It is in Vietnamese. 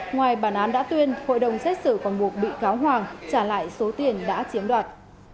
ngoài bản án đã tuyên hội đồng xét xử còn buộc bị cáo hoàng trả lại số tiền đã chiếm đoạt